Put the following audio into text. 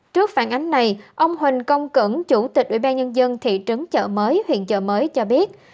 trước phản ánh này ông huỳnh công cửng chủ tịch ủy ban nhân dân thị trấn chợ mới huyện chợ mới cho biết